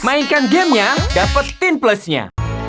mainkan gamenya dapetin plusnya